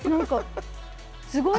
すごい！